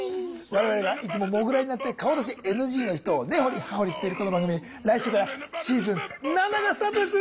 我々がいつもモグラになって顔出しＮＧの人をねほりはほりしているこの番組来週からシーズン７がスタートです！